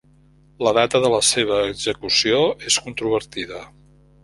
La data de la seva execució és controvertida.